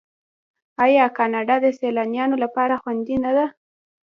آیا کاناډا د سیلانیانو لپاره خوندي نه ده؟